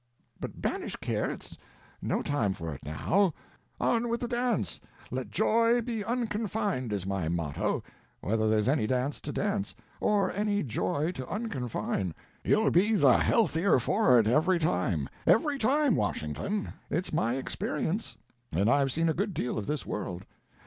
"But banish care, it's no time for it now—on with the dance, let joy be unconfined is my motto, whether there's any dance to dance; or any joy to unconfine—you'll be the healthier for it every time,—every time, Washington—it's my experience, and I've seen a good deal of this world.